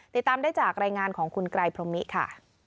ติดตามได้จากรายงานของคุณไกรพรมมิค่ะ